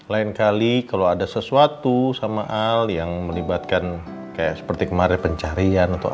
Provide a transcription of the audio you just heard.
lain kali kalau ada sesuatu sama hal yang melibatkan kayak seperti kemarin pencarian atau apa